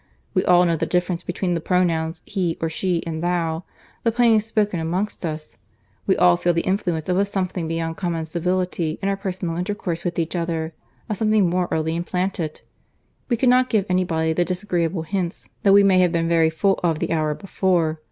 We all know the difference between the pronouns he or she and thou, the plainest spoken amongst us; we all feel the influence of a something beyond common civility in our personal intercourse with each other—a something more early implanted. We cannot give any body the disagreeable hints that we may have been very full of the hour before.